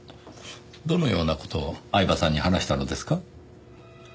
どのような事を饗庭さんに話したのですか？